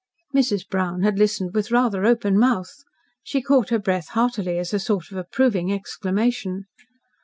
Mrs. Brown had listened with rather open mouth. She caught her breath heartily, as a sort of approving exclamation.